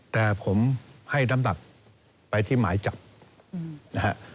แต่ผมให้น้ำหนักไปที่หมายจับนะฮะ